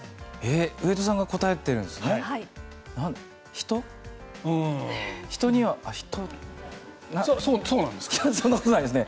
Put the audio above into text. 上戸さんが答えてるんですよね？